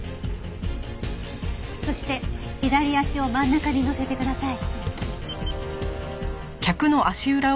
そして左足を真ん中に乗せてください。